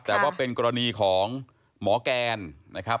แต่ว่าเป็นกรณีของหมอแกนนะครับ